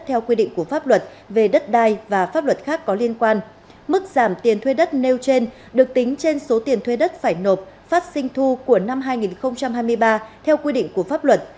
theo quy định của pháp luật về đất đai và pháp luật khác có liên quan mức giảm tiền thuê đất nêu trên được tính trên số tiền thuê đất phải nộp phát sinh thu của năm hai nghìn hai mươi ba theo quy định của pháp luật